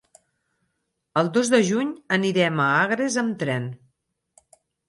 El dos de juny anirem a Agres amb tren.